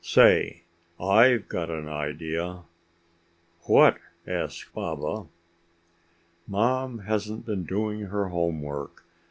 "Say, I've got an idea!" "What?" asked Baba. "Mom hasn't been doing her homework.